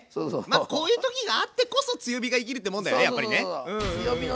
まあこういう時があってこそ強火が生きるってもんだよねやっぱりね。